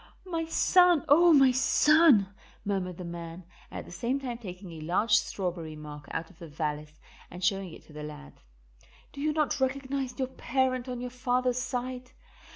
"My son! oh, my son!" murmured the man, at the same time taking a large strawberry mark out of the valise and showing it to the lad. "Do you not recognize your parent on your father's side?